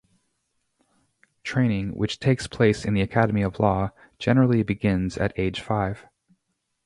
Training, which takes place in the Academy of Law, generally begins at age five.